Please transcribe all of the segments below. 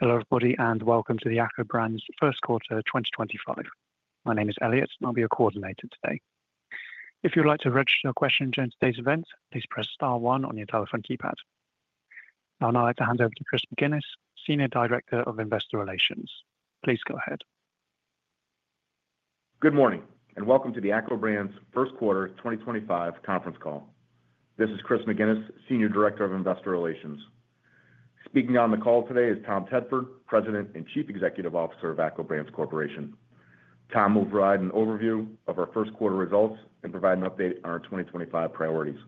Hello everybody and welcome to the ACCO Brands first quarter 2025. My name is Elliot and I'll be your coordinator today. If you'd like to register a question during today's event, please press star one on your telephone keypad. Now I'd like to hand over to Chris McGinnis, Senior Director of Investor Relations. Please go ahead. Good morning and welcome to the ACCO Brands first quarter 2025 conference call. This is Chris McGinnis, Senior Director of Investor Relations. Speaking on the call today is Tom Tedford, President and Chief Executive Officer of ACCO Brands Corporation. Tom will provide an overview of our first quarter results and provide an update on our 2025 priorities.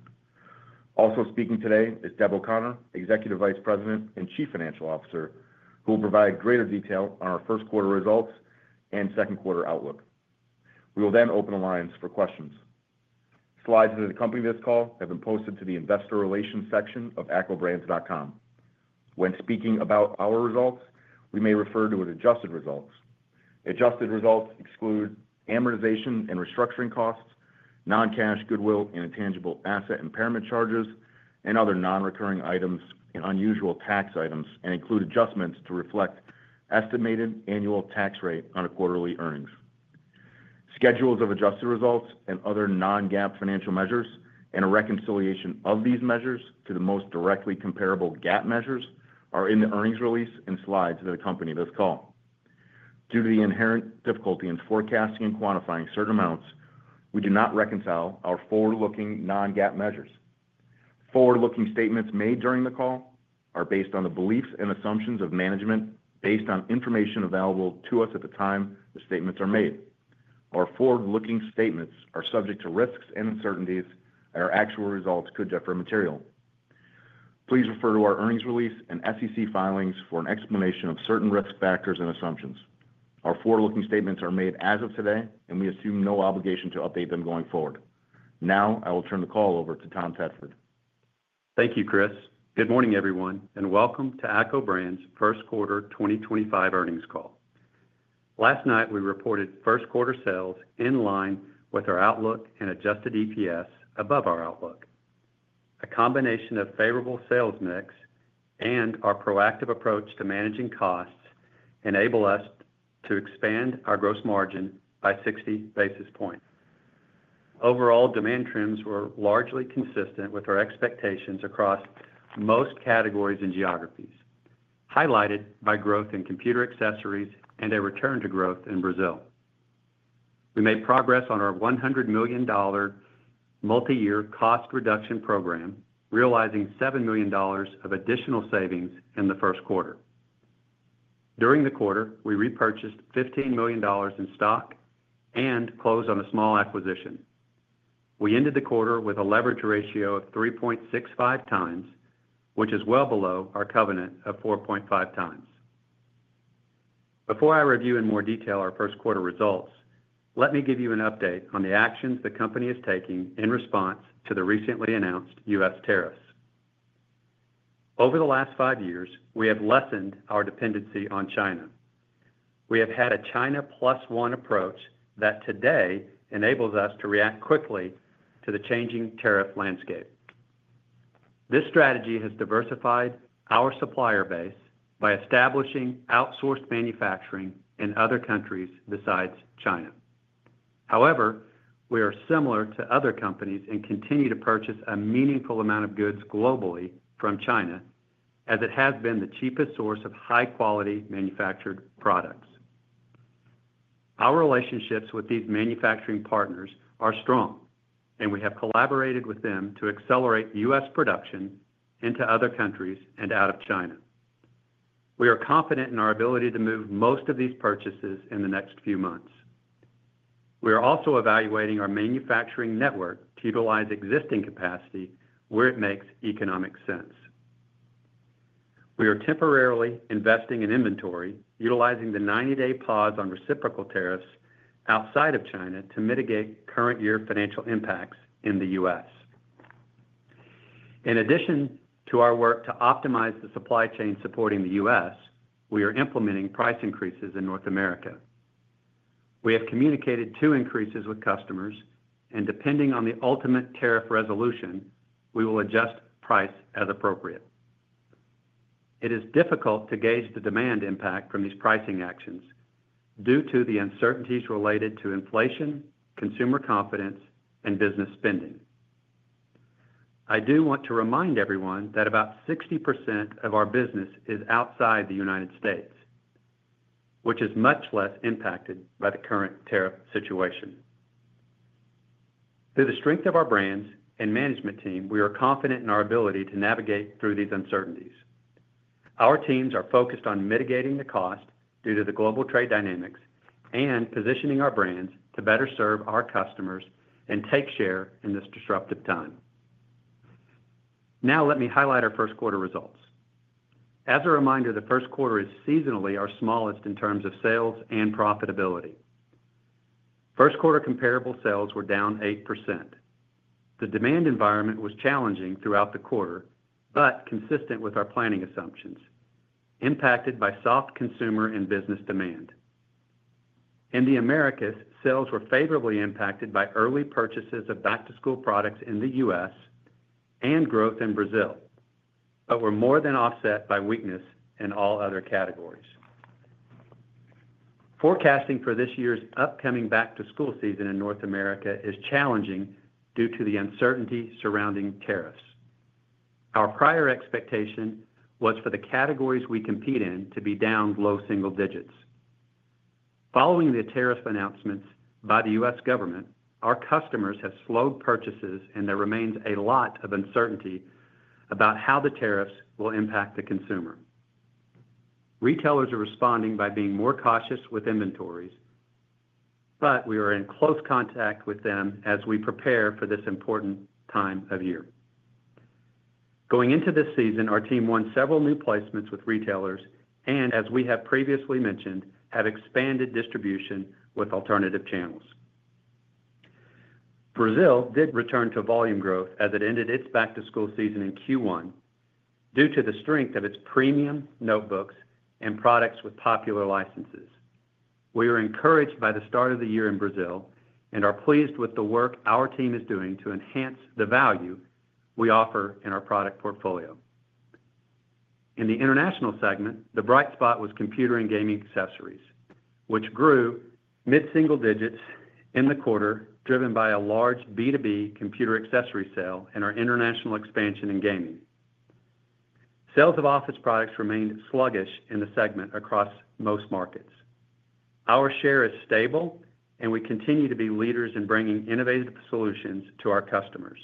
Also speaking today is Deb O'Connor, Executive Vice President and Chief Financial Officer, who will provide greater detail on our first quarter results and second quarter outlook. We will then open the lines for questions. Slides that accompany this call have been posted to the Investor Relations section of accobrands.com. When speaking about our results we may refer to adjusted results. Adjusted results exclude amortization and restructuring costs, non-cash goodwill and intangible asset impairment charges and other non-recurring items and unusual tax items and include adjustments to reflect estimated annual tax rate on a quarterly earnings schedules of adjusted results and other non-GAAP financial measures and a reconciliation of these measures to the most directly comparable GAAP measures are in the earnings release and slides that accompany this call. Due to the inherent difficulty in forecasting and quantifying certain amounts, we do not reconcile our forward-looking non-GAAP measures. Forward-looking statements made during the call are based on the beliefs and assumptions of management based on information available to us at the time the statements are made. Our forward-looking statements are subject to risks and uncertainties and our actual results could differ. Please refer to our earnings release and SEC filings for an explanation of certain risk factors and assumptions. Our forward looking statements are made as of today and we assume no obligation to update them going forward. Now I will turn the call over to Tom Tedford. Thank you, Chris. Good morning, everyone, and welcome to ACCO Brands' first quarter 2025 earnings call. Last night we reported first quarter sales in line with our outlook and adjusted EPS above our outlook. A combination of favorable sales mix and our proactive approach to managing costs enabled us to expand our gross margin by 60 basis points. Overall demand trends were largely consistent with our expectations across most categories and geographies, highlighted by growth in computer accessories and a return to growth in Brazil. We made progress on our $100 million multi-year cost reduction program, realizing $7 million of additional savings in the first quarter. During the quarter, we repurchased $15 million in stock and closed on a small acquisition. We ended the quarter with a leverage ratio of 3.65 times, which is well below our covenant of 4.5 times. Before I review in more detail our first quarter results, let me give you an update on the actions the company is taking in response to the recently announced U.S. tariffs. Over the last five years we have lessened our dependency on China. We have had a China plus one approach that today enables us to react quickly to the changing tariff landscape. This strategy has diversified our supplier base by establishing outsourced manufacturing in other countries besides China. However, we are similar to other companies and continue to purchase a meaningful amount of goods globally from China as it has been the cheapest source of high quality manufactured products. Our relationships with these manufacturing partners are strong and we have collaborated with them to accelerate U.S. production into other countries and out of China. We are confident in our ability to move most of these purchases in the next few months. We are also evaluating our manufacturing network to utilize existing capacity where it makes economic sense. We are temporarily investing in inventory utilizing the 90 day pause on reciprocal tariffs outside of China to mitigate current year financial impacts in the U.S. In addition to our work to optimize the supply chain supporting the U.S., we are implementing price increases in North America. We have communicated two increases with customers and depending on the ultimate tariff resolution, we will adjust price as appropriate. It is difficult to gauge the demand impact from these pricing actions due to the uncertainties related to inflation, consumer confidence and business spending. I do want to remind everyone that about 60% of our business is outside the United States which is much less impacted by the current tariff situation. Through the strength of our brands and management team, we are confident in our ability to navigate through these uncertainties. Our teams are focused on mitigating the cost due to the global trade dynamics and positioning our brands to better serve our customers and take share in this disruptive time. Now let me highlight our first quarter results. As a reminder, the first quarter is seasonally our smallest in terms of sales and profitability. First quarter comparable sales were down 8%. The demand environment was challenging throughout the quarter but consistent with our planning assumptions, impacted by soft consumer and business demand in the Americas. Sales were favorably impacted by early purchases of back-to-school products in the U.S. and growth in Brazil, but were more than offset by weakness in all other categories. Forecasting for this year's upcoming back-to-school season in North America is challenging due to the uncertainty surrounding tariffs. Our prior expectation was for the categories we compete in to be down low single digits. Following the tariff announcements by the U.S. Government, our customers have slowed purchases and there remains a lot of uncertainty about how the tariffs will impact the consumer. Retailers are responding by being more cautious with inventories, but we are in close contact with them as we prepare for this important time of year. Going into this season, our team won several new placements with retailers and as we have previously mentioned, have expanded distribution with alternative channels. Brazil did return to volume growth as it ended its back to school season in Q1 due to the strength of its premium notebooks and products with popular licenses. We were encouraged by the start of the year in Brazil and are pleased with the work our team is doing to enhance the value we offer in our product portfolio. In the international segment, the bright spot was computer and gaming accessories which grew mid single digits in the quarter driven by a large B2B computer accessory sale and our international expansion in gaming. Sales of office products remained sluggish in the segment. Across most markets, our share is stable and we continue to be leaders in bringing innovative solutions to our customers.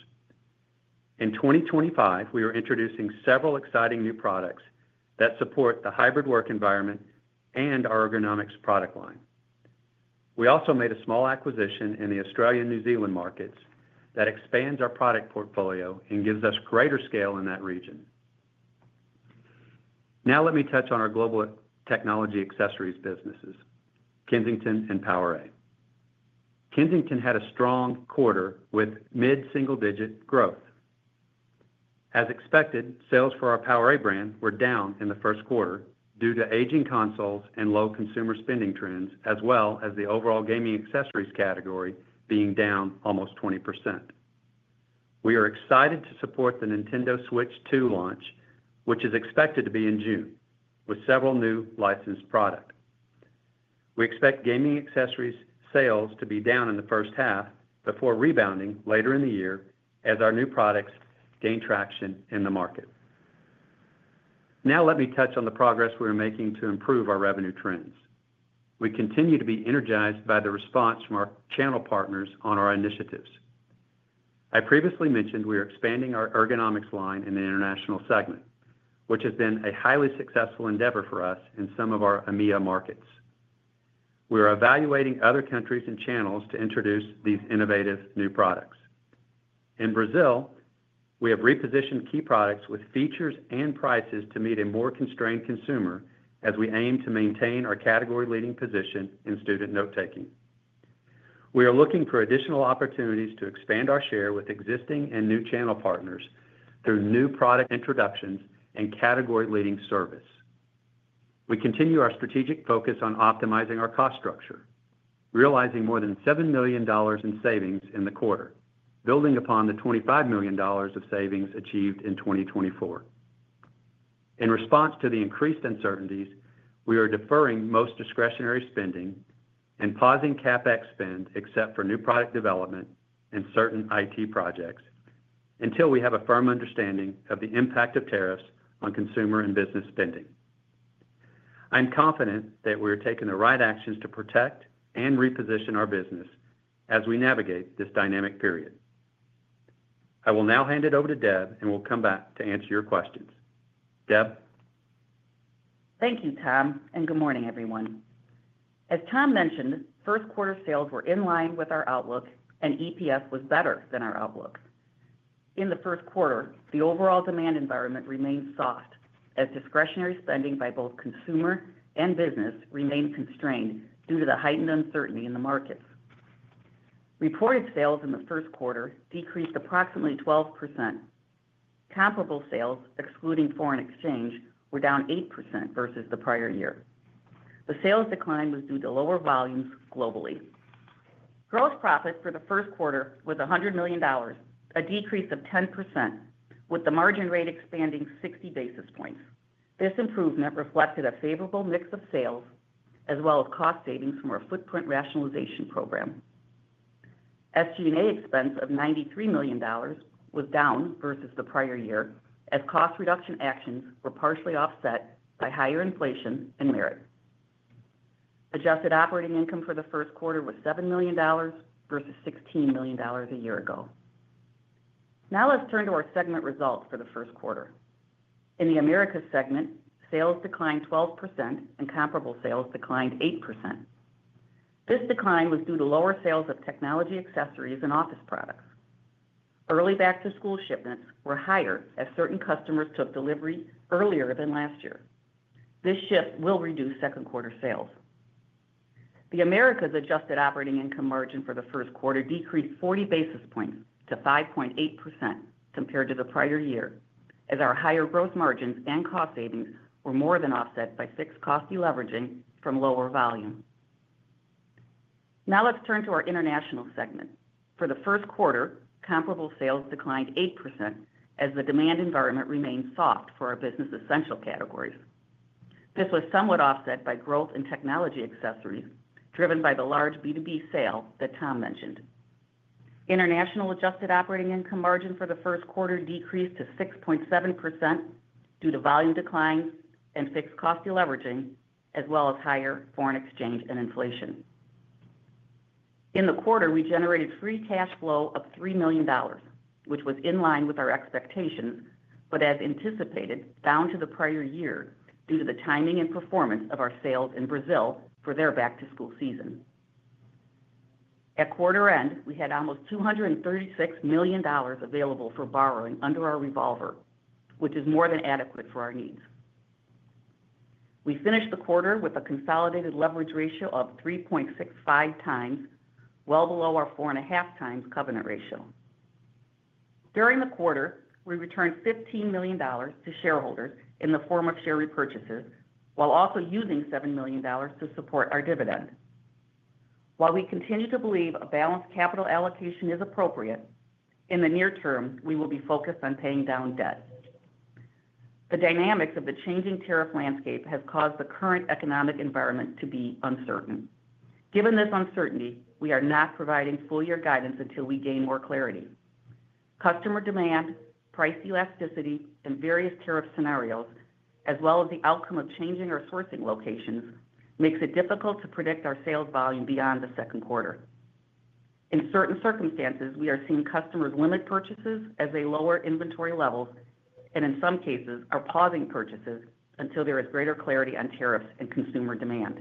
In 2025 we are introducing several exciting new products that support the hybrid work environment and our ergonomics product line. We also made a small acquisition in the Australia New Zealand markets that expands our product portfolio and gives us greater scale in that region. Now let me touch on our global technology accessories businesses Kensington and PowerA. Kensington had a strong quarter with mid single digit growth. As expected, sales for our PowerA brand were down in the first quarter due to aging consoles and low consumer spending trends as well as the overall gaming accessories category being down almost 20%. We are excited to support the Nintendo Switch 2 launch which is expected to be in June with several new licensed product. We expect gaming accessories sales to be down in the first half before rebounding later in the year as our new products gain traction in the market. Now let me touch on the progress we are making to improve our revenue trends. We continue to be energized by the response from our channel partners on our initiatives. I previously mentioned we are expanding our ergonomics line in the international segment, which has been a highly successful endeavor for us in some of our EMEA markets. We are evaluating other countries and channels to introduce these innovative new products in Brazil. We have repositioned key products with features and prices to meet a more constrained consumer and as we aim to maintain our category leading position in student note taking, we are looking for additional opportunities to expand our share with existing and new channel partners through new product introductions and category leading service. We continue our strategic focus on optimizing our cost structure, realizing more than $7 million in savings in the quarter, building upon the $25 million of savings achieved in 2024. In response to the increased uncertainties, we are deferring most discretionary spending and pausing CapEx spend except for new product development and certain IT projects. Until we have a firm understanding of the impact of tariffs on consumer and business spending, I am confident that we are taking the right actions to protect and reposition our business as we navigate this dynamic period. I will now hand it over to Deb and we'll come back to answer your questions. Deb? Thank you Tom and good morning everyone. As Tom mentioned, first quarter sales were in line with our outlook and EPS was better than our outlook. In the first quarter, the overall demand environment remained soft as discretionary spending by both consumer and business remained constrained due to the heightened uncertainty in the markets. Reported sales in the first quarter decreased approximately 12%. Comparable sales excluding foreign exchange were down 8% versus the prior year. The sales decline was due to lower volumes. Globally, gross profit for the first quarter was $100 million, a decrease of 10% with the margin rate expanding 60 basis points. This improvement reflected a favorable mix of sales as well as cost savings from our footprint rationalization program. SG&A expense of $93 million was down versus the prior year as cost reduction actions were partially offset by higher inflation and merit. Adjusted operating income for the first quarter was $7 million versus $16 million a year ago. Now let's turn to our segment results. For the first quarter. In the Americas segment, sales declined 12% and comparable sales declined 8%. This decline was due to lower sales of technology accessories and office products. Early back-to-school shipments were higher as certain customers took delivery earlier than last year. This shift will reduce second quarter sales. The Americas adjusted operating income margin for the first quarter decreased 40 basis points to 5.8% compared to the prior year as our higher gross margins and cost savings were more than offset by fixed cost deleveraging from lower volume. Now let's turn to our international segment. For the first quarter, comparable sales declined 8% as the demand environment remained soft for our business essential categories. This was somewhat offset by growth in technology accessories driven by the large B2B sale that Tom mentioned. International adjusted operating income margin for the first quarter decreased to 6.7% due to volume declines and fixed cost deleveraging as well as higher foreign exchange and inflation. In the quarter we generated free cash flow of $3 million, which was in line with our expectations, but as anticipated down to the prior year due to the timing and performance of our sales in Brazil for their back to school season. At quarter end we had almost $236 million available for borrowing under our revolver, which is more than adequate for our needs. We finished the quarter with a consolidated leverage ratio of 3.65 times, well below our four and a half times covenant ratio. During the quarter we returned $15 million to shareholders in the form of share repurchases while also using $7 million to support our dividend. While we continue to believe a balanced capital allocation is appropriate, in the near term we will be focused on paying down debt. The dynamics of the changing tariff landscape has caused the current economic environment to be uncertain. Given this uncertainty, we are not providing full year guidance until we gain more clarity. Customer demand, price elasticity, and various tariff scenarios, as well as the outcome of changing our sourcing locations, makes it difficult to predict our sales volume beyond the second quarter. In certain circumstances, we are seeing customers limit purchases as they lower inventory levels and in some cases are pausing purchases until there is greater clarity on tariffs and consumer demand.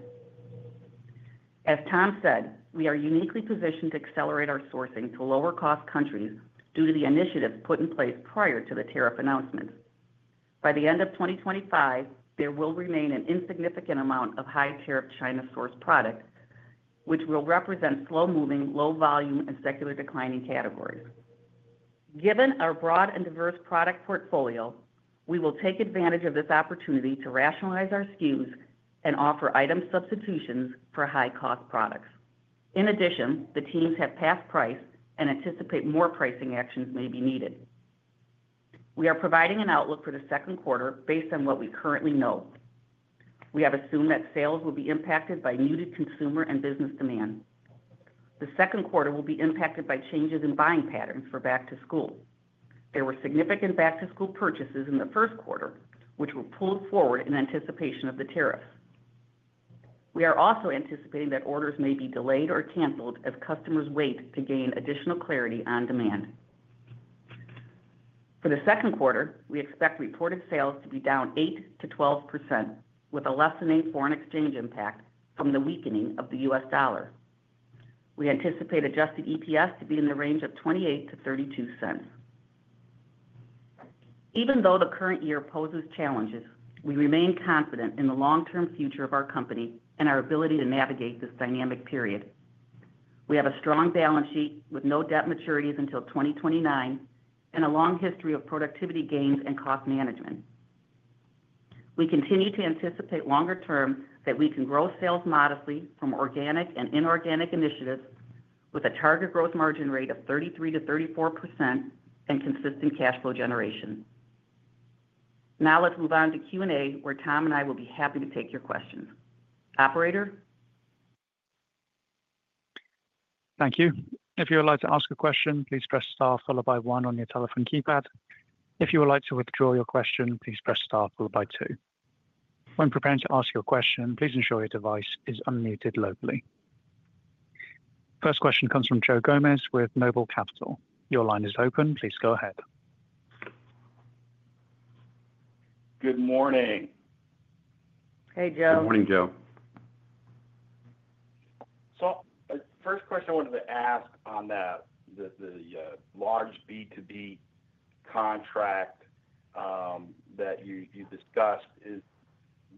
As Tom said, we are uniquely positioned to accelerate our sourcing to lower cost countries due to the initiatives put in place prior to the tariff announcements. By the end of 2025 there will remain an insignificant amount of high tariff China sourced product which will represent slow moving, low volume and secular declining categories. Given our broad and diverse product portfolio, we will take advantage of this opportunity to rationalize our SKUs and offer item substitutions for high cost products. In addition, the teams have passed price and anticipate more pricing actions may be needed. We are providing an outlook for the second quarter based on what we currently know. We have assumed that sales will be impacted by muted consumer and business demand. The second quarter will be impacted by changes in buying patterns for back to school. There were significant back to school purchases in the first quarter which were pulled forward in anticipation of the tariffs. We are also anticipating that orders may be delayed or canceled as customers wait to gain additional clarity on demand. For the second quarter, we expect reported sales to be down 8%-12% with a lessening foreign exchange impact from the weakening of the U.S. Dollar. We anticipate adjusted EPS to be in the range of $0.28-$0.32. Even though the current year poses challenges, we remain confident in the long term future of our company and our ability to navigate this dynamic period. We have a strong balance sheet with no debt maturities until 2029 and a long history of productivity gains and cost management. We continue to anticipate longer term that we can grow sales modestly from organic and inorganic initiatives with a target gross margin rate of 33%-34% and consistent cash flow generation. Now let's move on to Q&A, where Tom and I will be happy to take your questions. Operator. Thank you. If you would like to ask a question, please press star followed by one on your telephone keypad. If you would like to withdraw your question, please press star followed by two. When preparing to ask your question, please ensure your device is unmuted locally. First question comes from Joe Gomes with Noble Capital. Your line is open. Please go ahead. Good morning. Hey, Joe. Good morning, Joe. First question I wanted to ask on that, the large B2B contract that you discussed, is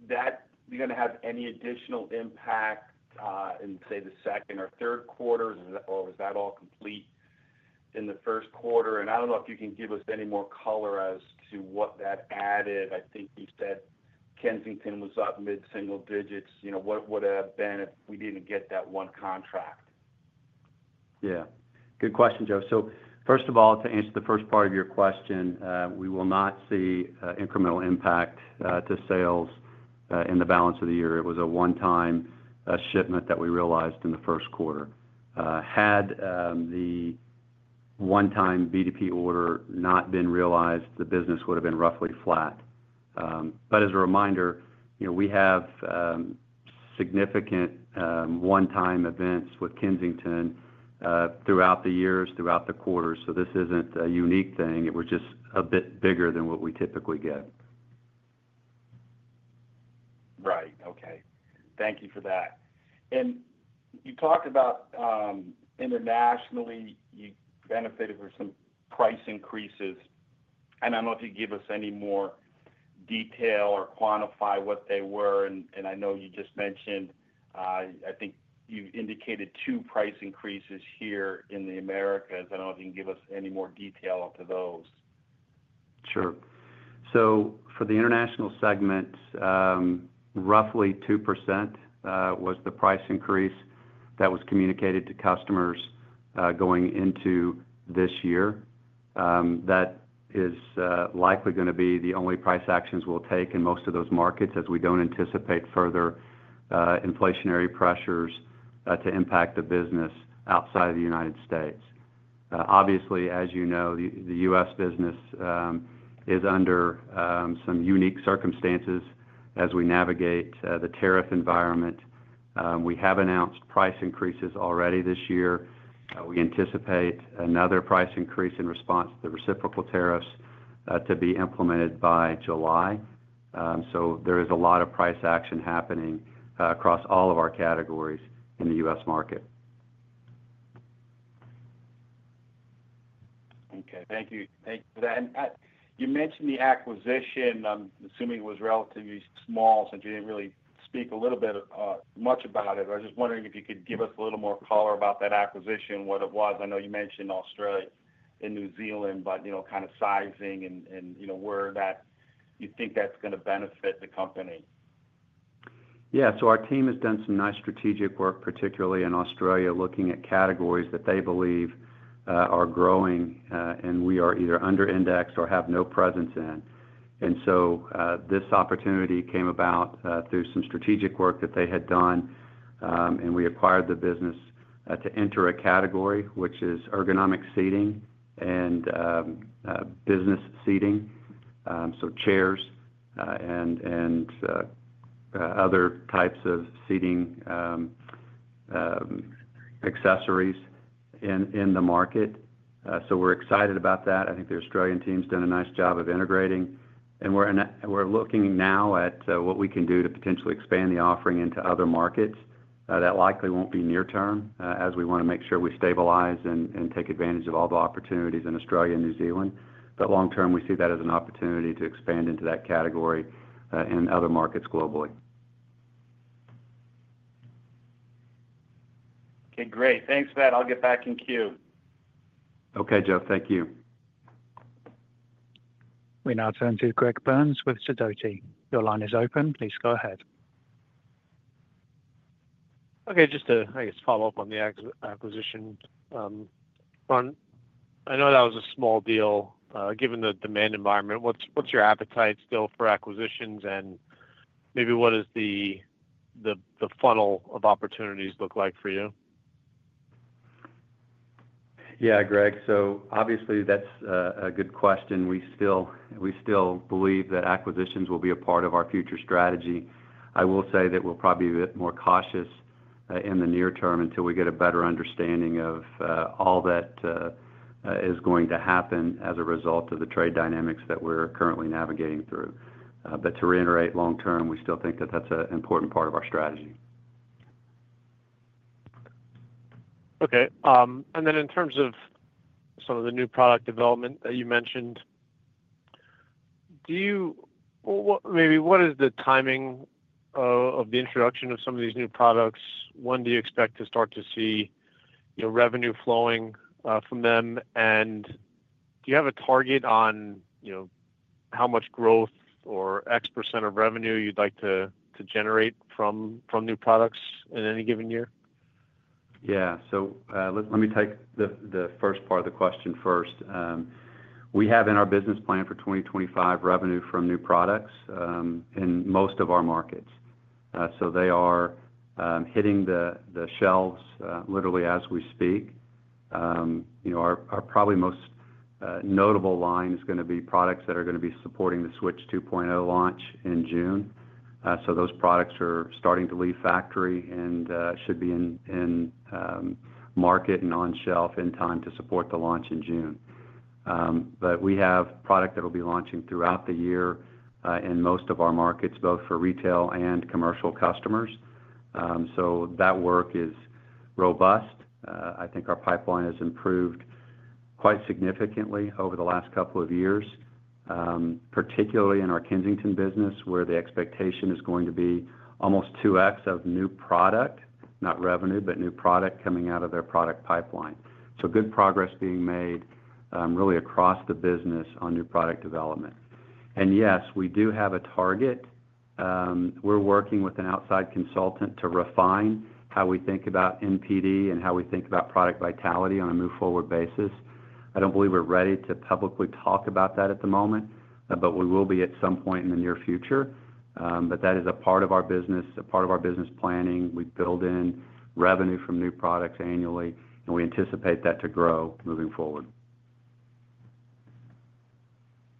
that going to have any additional impact in say the second or third quarter or was that all complete in the first quarter? I don't know if you can. Give us any more color as to what that added. I think you said Kensington was up mid single digits. You know, what would it have been if we did not get that one contract? Yeah, good question, Joe. First of all, to answer the first part of your question, we will not see incremental impact to sales in the balance of the year. It was a one-time shipment that we realized in the first quarter. Had the one-time B2B order not been realized, the business would have been roughly flat. As a reminder, you know, we have significant one-time events with Kensington throughout the years, throughout the quarter. This is not a unique thing. It was just a bit bigger. Bigger than what we typically get. Right. Okay, thank you for that. You talked about internationally, you benefited from some price increases and I do not know if you would give us any more detail or quantify what they were. I know you just mentioned, I think you have indicated two price increases here in the Americas. I do not know if you can give us any more detail to those. Sure. For the international segment, roughly 2% was the price increase that was communicated to customers going into this year. That is likely going to be the only price actions we will take in most of those markets as we do not anticipate further inflationary pressures to impact the business outside of the United States. Obviously, as you know, the U.S. business is under some unique circumstances as we navigate the tariff environment. We have announced price increases already this year. We anticipate another price increase in response to the reciprocal tariffs to be implemented by July. There is a lot of price action happening across all of our categories in the U.S. market. Okay, thank you. Thank you. You mentioned the acquisition. I'm assuming it was relatively small since you didn't really speak a little bit much about it. I was just wondering if you could. Give us a little more color about that acquisition, what it was. I know you mentioned Australia and New Zealand, but you know, kind of sizing and you know where that you think. That's going to benefit the company. Yeah. Our team has done some nice strategic work, particularly in Australia, looking at categories that they believe are growing and we are either under indexed or have no presence in. This opportunity came about through some strategic work that they had done. We acquired the business to enter a category which is ergonomic seating and business seating, so chairs and other types of seating accessories in the market. We're excited about that. I think the Australian team's done a nice job of integrating and we're looking now at what we can do to potentially expand the offering into other markets. That likely won't be near term as we want to make sure we stabilize and take advantage of all the opportunities in Australia and New Zealand. Long term, we see that as an opportunity to expand into that category in other markets globally. Okay, great. Thanks. I'll get back in queue. Okay, Joe, thank you. We now turn to Greg Burns with Sidoti. Your line is open. Please go ahead. Okay, just a follow up on the acquisition. Tom, I know that was a small deal. Given the demand environment, what's your appetite still for acquisitions and maybe what does the funnel of opportunities look like for you? Yeah, Greg, that is a good question. We still believe that acquisitions will be a part of our future strategy. I will say that we will probably be a bit more cautious in the near term until we get a better understanding of all that is going to happen as a result of the trade dynamics that we are currently navigating through. To reiterate, long term, we still think that is an important part of our strategy. Okay. In terms of some of the new product development that you mentioned, do you maybe what is the timing of the introduction of some of these new products? When do you expect to start to see revenue flowing from them? And do you have a target on, you know, how much growth or x % of revenue you'd like to generate from new products in any given year? Yeah. Let me take the first part of the question first. We have in our business plan for 2025 revenue from new products and in most of our markets. They are hitting the shelves literally as we speak. Our probably most notable line is going to be products that are going to be supporting the Switch 2.0 launch in June. Those products are starting to leave factory and should be in market and on shelf in time to support the launch in June. We have product that will be launching throughout the year in most of our markets, both for retail and commercial customers. That work is robust. I think our pipeline has improved quite significantly over the last couple of years, particularly in our Kensington business, where the expectation is going to be almost 2x of new product, not revenue, but new product coming out of their product pipeline. Good progress is being made really across the business on new product development. Yes, we do have a target. We're working with an outside consultant to refine how we think about NPD and how we think about product vitality on a move forward basis. I don't believe we're ready to publicly talk about that at the moment. We will be at some point in the near future. That is a part of our business, a part of our business planning. We build in revenue from new products annually and we anticipate that to grow moving forward.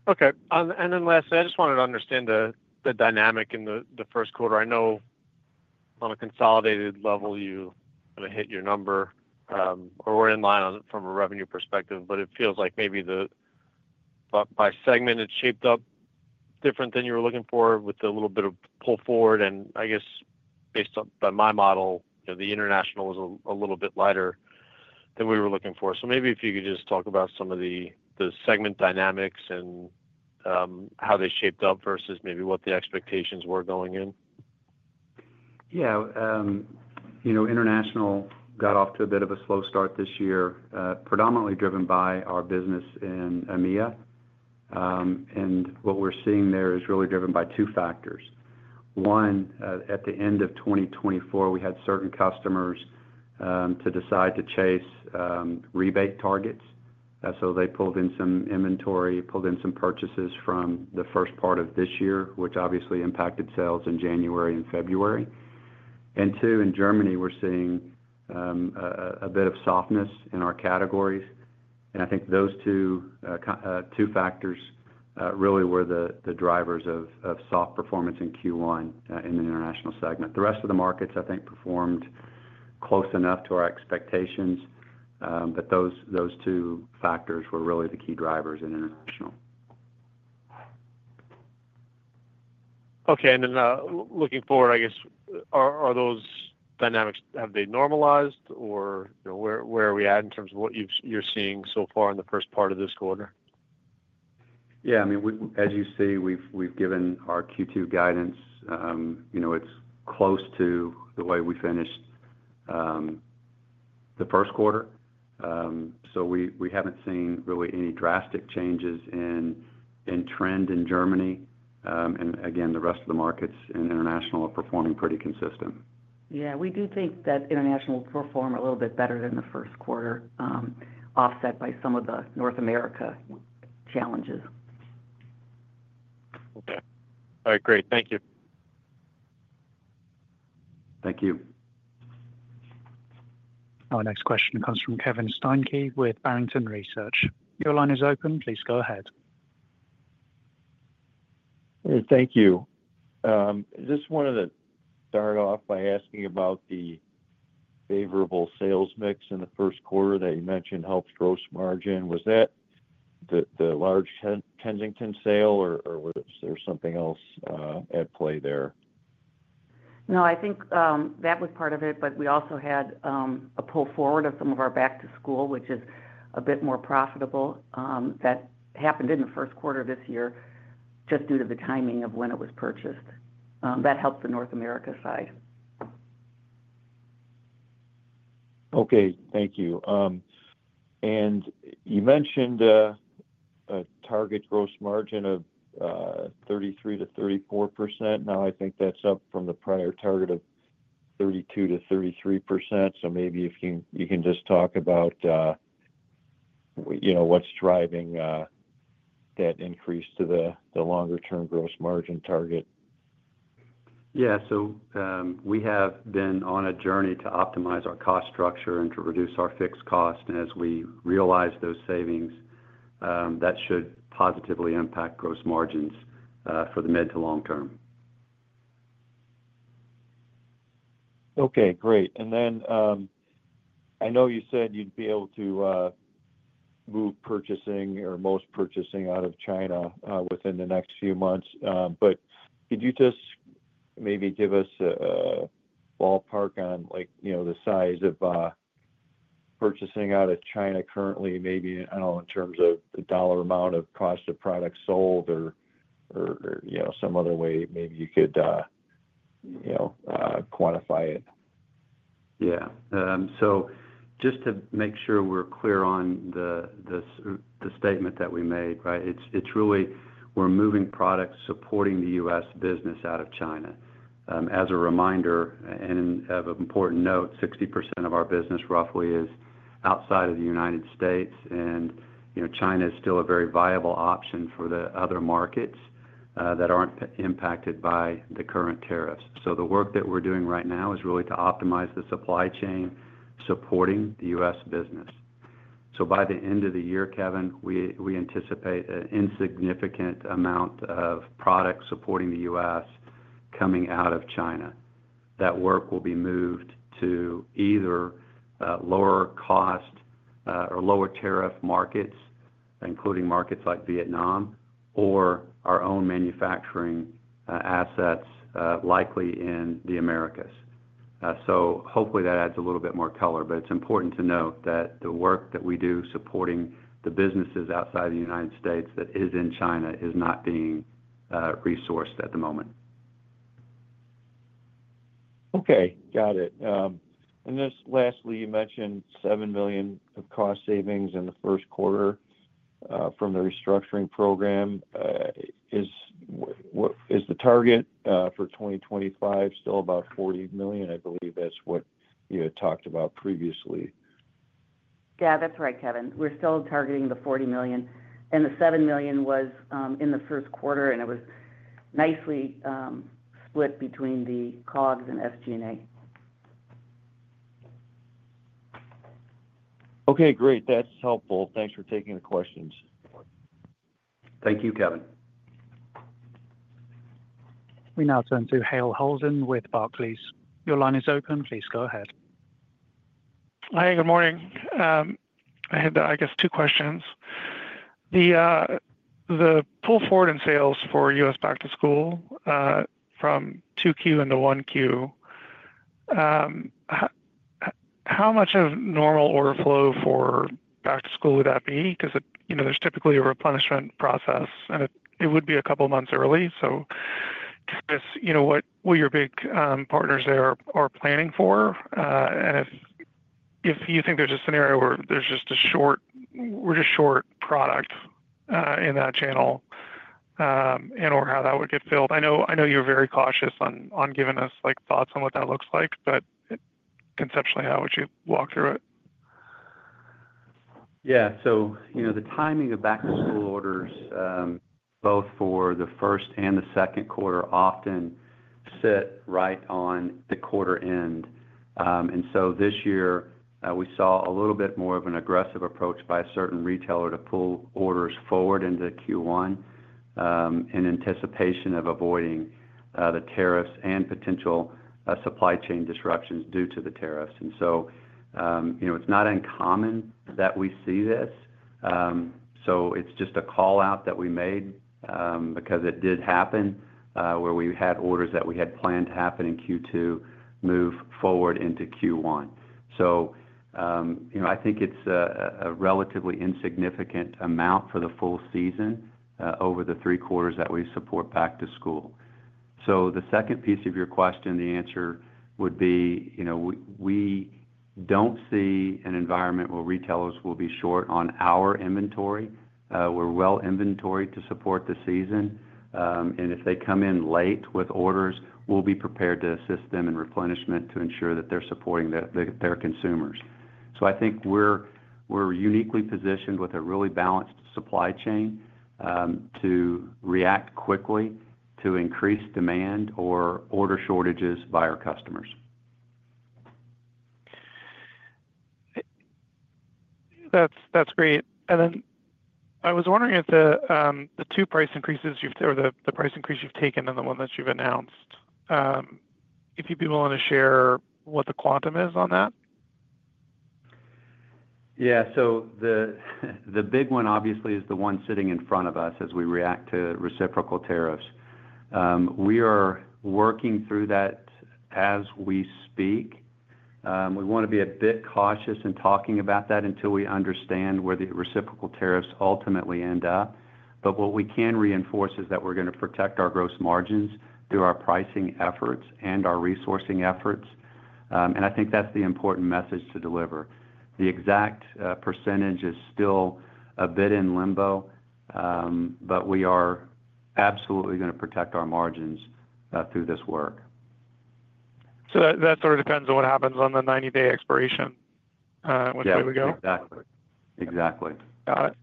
Okay. Lastly, I just wanted to understand the dynamic in the first quarter. I know on a consolidated level you hit your number or in line from a revenue perspective, but it feels like maybe by segment, it shaped up different than you were looking for with a little bit of pull forward. I guess based on my model, the International was a little bit lighter than we were looking for. Maybe if you could just talk about some of the segment dynamics and how they shaped up versus maybe what the expectations were going in. Yeah, you know, International got off to a bit of a slow start this year, predominantly driven by our business in EMEA. What we are seeing there is really driven by two factors. One, at the end of 2024, we had certain customers decide to chase rebate targets. They pulled in some inventory, pulled in some purchases from the first part of this year, which obviously impacted sales in January and February. Two, in Germany, we are seeing a bit of softness in our categories. I think those two factors really were the drivers of soft performance in Q1 in the International segment. The rest of the markets, I think, performed close enough to our expectations. Those two factors were really the key drivers in International. Okay, and then looking forward, I guess, are those dynamics, have they normalized or where are we at in terms of what you're seeing so far in the. First part of this quarter? Yeah, I mean, as you see, we've given our Q2 guidance. You know, it's close to the way we finished the first quarter. We haven't seen really any drastic changes in trend in Germany. Again, the rest of the markets in International are performing pretty consistent. Yeah, we do think that International will perform a little bit better than the first quarter, offset by some of the North America challenges. Okay, all right, great. Thank you. Thank you. Our next question comes from Kevin Steinke with Barrington Research. Your line is open. Please go ahead. Thank you. Just wanted to start off by asking about the favorable sales mix in the first quarter that you mentioned helped gross margin. Was that the large Kensington sale or was there something else at play there? No, I think that was part of it. We also had a pull forward of some of our back-to-school, which is a bit more profitable. That happened in the first quarter this year, just due to the timing of when it was purchased. That helps the North America side. Okay, thank you. You mentioned a target gross margin of 33%-34%. I think that's up from the prior target of 32-33%. Maybe if you can just talk. About. You know, what's driving that increase to the longer term gross margin target? Yeah. We have been on a journey to optimize our cost structure and to reduce our fixed cost. As we realize those savings, that should positively impact gross margins for the mid to long term. Okay, great. I know you said you'd be able to move purchasing or most purchasing out of China within the next few months, but could you just maybe give us a ballpark on, like, you know, the size of purchasing out of China currently? Maybe, I don't know, in terms of the dollar amount of cost of products sold or, you know, some other way, maybe you could, you know, quantify it. Yeah. Just to make sure we're clear on the statement that we made, right. It's really, we're moving products supporting the U.S. Business out of China. As a reminder, and of important note, 60% of our business, roughly, is outside of the United States. And, you know, China is still a very viable option for the other markets that aren't impacted by the current tariffs. The work that we're doing right now is really to optimize the supply chain supporting the U.S. Business. By the end of the year, Kevin, we anticipate an insignificant amount of products supporting the U.S. coming out of China. That work will be moved to either lower cost or lower tariff markets, including markets like Vietnam or our own manufacturing assets, likely in the Americas. Hopefully that adds a little bit more color. It is important to note that the work that we do supporting the businesses outside the United States that is in China is not being resourced at the moment. Okay, got it. Lastly, you mentioned $7 million of cost savings in the first quarter from the restructuring program. Is. Is the target for 2025 still about $40 million? I believe that's what you had talked about previously. Yeah, that's right, Kevin. We're still targeting the $40 million and the $7 million was in the first quarter and it was nicely split between the COGS and SG&A. Okay, great. That's helpful. Thanks for taking the questions. Thank you, Kevin. We now turn to Hale Holden with Barclays. Your line is open. Please go ahead. Hi. Good morning. I had I guess two questions. The pull forward in sales for us back to school from 2Q into 1Q. How much of normal order flow for. Back to school, would that be? Because you know there's typically a replenishment process and it would be a couple months early. You know, what will your big partners there are planning for and if, if you think there's a scenario where there's just a short, we're just short product in that channel and or how that would get filled. I know, I know you're very cautious on giving us like thoughts on what that looks like. But conceptually, how would you walk through it? Yeah. You know, the timing of back to school orders both for the first and the second quarter often sit right on the quarter end. This year we saw a little bit more of an aggressive approach by a certain retailer to pull orders forward into Q1 in anticipation of avoiding the tariffs and potential supply chain disruptions due to the tariffs. You know, it is not uncommon that we see this. It is just a call out that we made because it did happen where we had orders that we had planned to happen in Q2 move forward into Q1. You know, I think it is a relatively insignificant amount for the full circumstances season over the three quarters that we support back to school. The second piece of your question, the answer would be, you know, we don't see an environment where retailers will be short on our inventory. We're well inventory to support the season and if they come in late with orders, we'll be prepared to assist them in replenishment to ensure that they're supporting their consumers. I think we're uniquely positioned with a really balanced supply chain to react quickly to increase demand or order shortages by our customers. That's great. I was wondering if the two price increases or the price increase you've taken and the one that you've announced, if you'd be willing to share what the quantum is on that. Yeah. The big one, obviously, is the one sitting in front of us as we react to reciprocal tariffs. We are working through that as we speak. We want to be a bit cautious in talking about that until we understand where the reciprocal tariffs ultimately end up. What we can reinforce is that we're going to protect our gross margins through our pricing efforts and our resourcing efforts. I think that's the important message to deliver. The exact percentage is still a bit in limbo, but we are absolutely going to protect our margins through this work. That sort of depends on what happens on the 90 day expiration, which. Way we go. Exactly. Got it.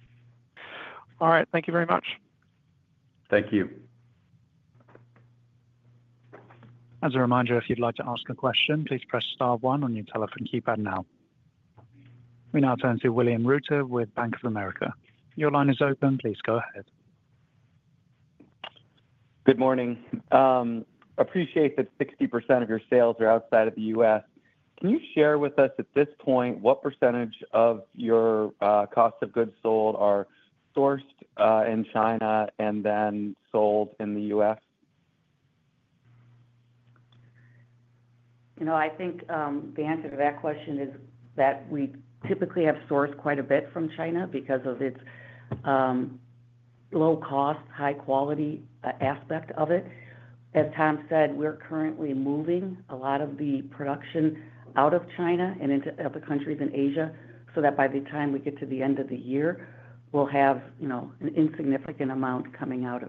All right, thank you very much. Thank you. As a reminder, if you'd like to ask a question, please press star one on your telephone keypad now. We now turn to William Reuter with Bank of America. Your line is open. Please go ahead. Good morning. Appreciate that 60% of your sales are. Outside of the U.S., can you share. With us at this point what percentage of your cost of goods sold are sourced in China and then sold in. The U.S. You know, I think the answer to that question is that we typically have sourced quite a bit from China because of its low cost, high quality aspect of it. As Tom said, we're currently moving a lot of the production out of China and into other countries in Asia so that by the time we get to the end of the year, we'll have an insignificant amount coming out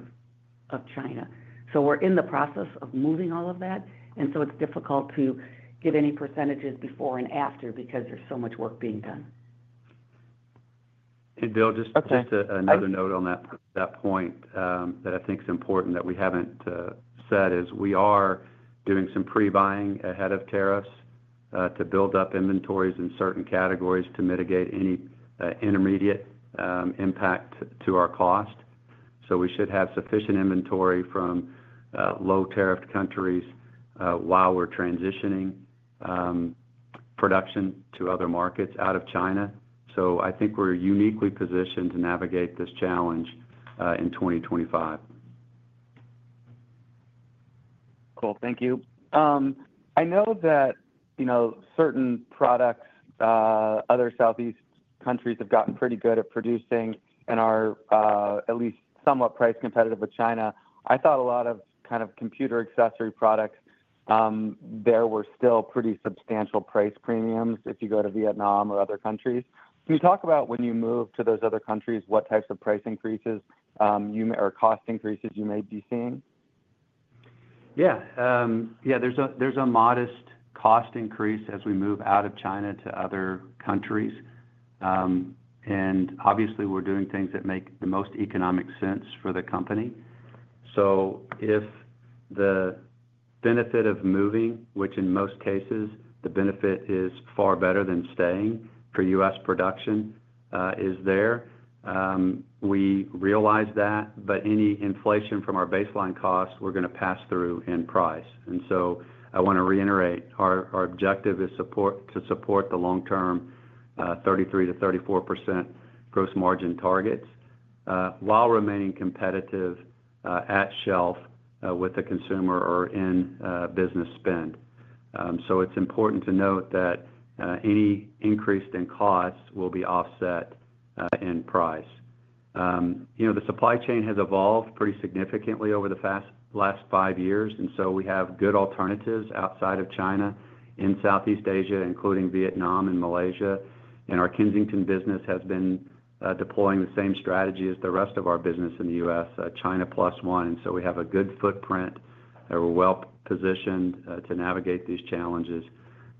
of China. We're in the process of moving all of that. It's difficult to get any percentages before and after because there's so much work being done. Bill, just another note on that point that I think is important that we have not said is we are doing some pre buying ahead of tariffs to build up inventories in certain categories to mitigate any intermediate impact to our cost. We should have sufficient inventory from low tariff countries while we are transitioning production to other markets out of China. I think we are uniquely positioned to navigate this challenge in 2025. Cool. Thank you. I know that you know certain products, other Southeast countries have gotten pretty good at producing and are at least somewhat price competitive with China. I thought a lot of kind of computer accessory products, there were still pretty substantial price premiums. If you go to Vietnam or other countries, can you talk about when you move to those other countries, what types of price increases or cost increases you may be seeing? Yeah, yeah, there's a modest cost increase as we move out of China to other countries. Obviously we're doing things that make the most economic sense for the company. If the benefit of moving, which in most cases the benefit is far better than staying for us, production is there, we realize that. Any inflation from our baseline costs, we're going to pass through in price. I want to reiterate, our objective is to support the long term 33%-34% gross margin targets while remaining competitive at shelf with the consumer or in business spend. It's important to note that any increase in costs will be offset in price. You know, the supply chain has evolved pretty significantly over the last five years and we have good alternatives outside of China in Southeast Asia, including Vietnam and Malaysia. Our Kensington business has been deploying the same strategy as the rest of our business in the U.S., China plus one. We have a good footprint, well positioned to navigate these challenges.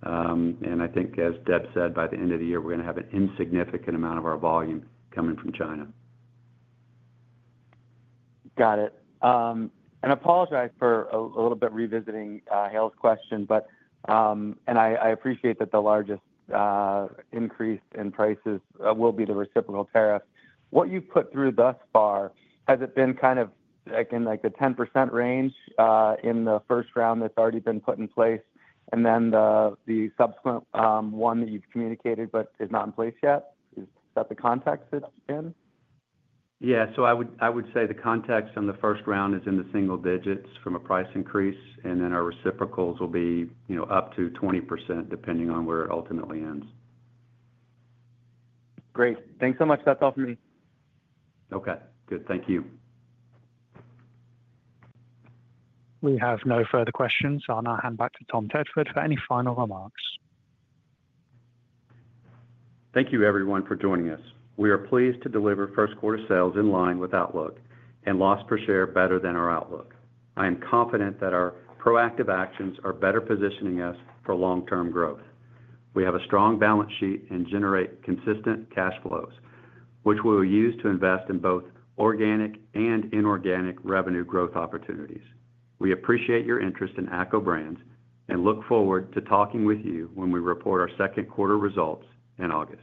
I think as Deb said, by the end of the year we are going to have an insignificant amount of our volume coming from China. Got it. I apologize for a little bit revisiting Hale's question. I appreciate that the largest increase in prices will be the reciprocal tariffs. What you put through thus far, has it been kind of again like the 10% range in the first round that's already been put in place and then the subsequent one that you've communicated but is not in place yet? Is that the context it's in? Yeah. I would say the context on the first round is in the single digits from a price increase and then our reciprocals will be, you know, up to 20% depending on where it ultimately ends. Great, thanks so much. That's all for me. Okay, good. Thank you. We have no further questions. I'll now hand back to Tom Tedford for any final remarks. Thank you everyone for joining us. We are pleased to deliver first quarter sales in line with outlook and loss per share better than our outlook. I am confident that our proactive actions are better positioning us for long term growth. We have a strong balance sheet and generate consistent cash flows which we will use to invest in both organic and inorganic revenue growth opportunities. We appreciate your interest in ACCO Brands and look forward to talking with you when we report our second quarter results in August.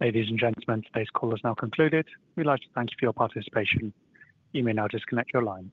Ladies and gentlemen, today's call is now concluded. We'd like to thank you for your participation. You may now disconnect your lines.